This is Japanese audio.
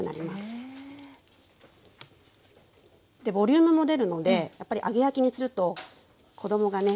でボリュームも出るのでやっぱり揚げ焼きにすると子供がね